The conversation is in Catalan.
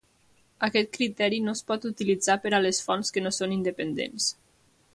Aquest criteri no es pot utilitzar per a les fonts que no són independents.